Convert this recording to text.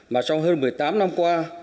mà trong hơn một mươi tám năm qua